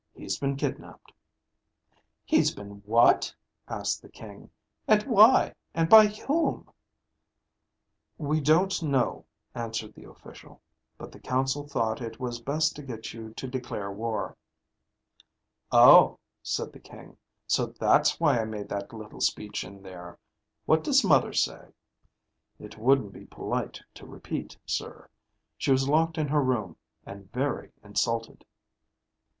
"He's been kidnaped." "He's been what?" asked the King. "And why? And by whom?" "We don't know," answered the official. "But the council thought it was best to get you to declare war." "Oh," said the King. "So that's why I made that little speech in there. What does mother say?" "It wouldn't be polite to repeat, sir. She was locked in her room, and very insulted."